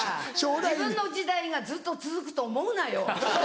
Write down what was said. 自分の時代がずっと続くと思うなよ！